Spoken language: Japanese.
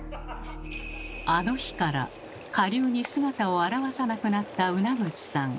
あの日から下流に姿を現さなくなったウナグチさん。